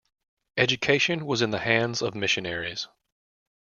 Education was in the hands of missionaries.